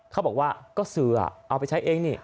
เขาบอกว่าก็เสือเอาไปใช้เองนี่